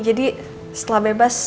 jadi setelah bebas